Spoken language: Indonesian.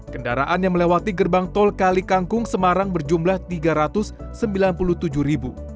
kendaraan yang melewati gerbang tol kali kangkung semarang berjumlah tiga ratus sembilan puluh tujuh ribu